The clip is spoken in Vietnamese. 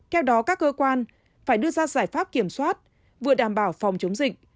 theo đó các cơ quan phải đưa ra giải pháp kiểm soát vừa đảm bảo phòng chống dịch